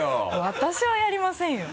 私はやりませんよ。